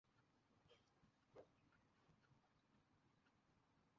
পাম জুমেরায় নীল জোছনার সৌন্দর্য দেখার পাশাপাশি আমরা ফুরফুরে মেজাজে তুলতে থাকলাম ছবি।